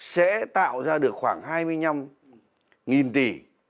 sẽ tạo ra được khoảng hai mươi năm tỷ